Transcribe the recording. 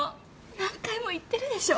何回も言ってるでしょ？